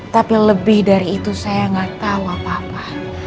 tapi lebih dari itu saya gak tau apa apa